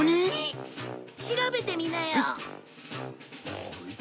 調べてみなよ。